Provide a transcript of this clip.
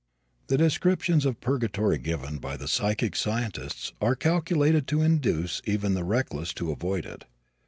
The descriptions of purgatory given by the psychic scientists are calculated to induce even the reckless to avoid it.